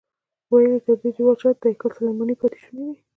ویل یې تر دې دیوال شاته د هیکل سلیماني پاتې شوني دي.